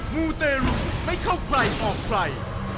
มูเตรุไม่เข้าใกล้ออกไฟ